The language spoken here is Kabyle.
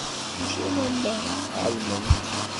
Mačči alamma ɛelment.